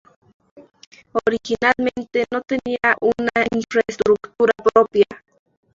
Originalmente no tenía una infraestructura propia.